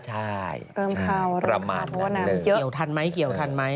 ใช่ประมาณนั้นเลยเกี่ยวทันไหม